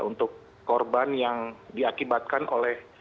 untuk korban yang diakibatkan oleh